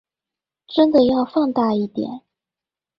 真的要放大一點